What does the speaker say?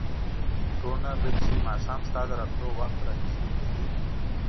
څومره به چې ماښام ستا د راتلو وخت رانږدې کېده.